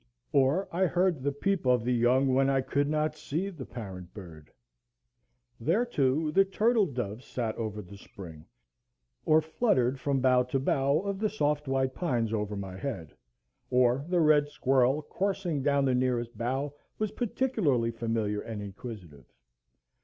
Or I heard the peep of the young when I could not see the parent bird. There too the turtle doves sat over the spring, or fluttered from bough to bough of the soft white pines over my head; or the red squirrel, coursing down the nearest bough, was particularly familiar and inquisitive.